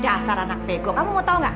dasar anak bego kamu mau tahu nggak